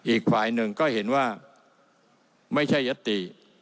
อีกฝ่ายหนึ่งก็เห็นว่าไม่ใช่ยัตติ